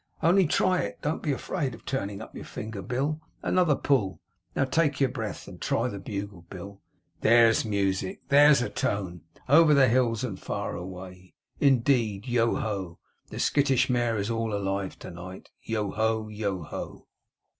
Only try it. Don't be afraid of turning up your finger, Bill, another pull! Now, take your breath, and try the bugle, Bill. There's music! There's a tone!' over the hills and far away,' indeed. Yoho! The skittish mare is all alive to night. Yoho! Yoho!